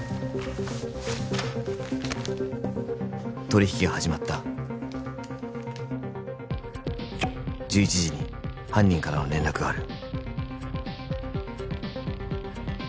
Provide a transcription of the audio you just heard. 「取引が始まった」「１１時に犯人からの連絡がある」